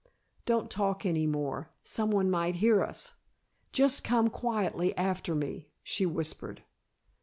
Don't talk any more some one might hear us. Just come quietly after me," she whispered.